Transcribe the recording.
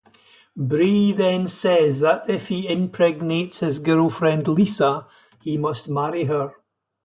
Bree then says that if he impregnates his girlfriend Lisa, he must marry her.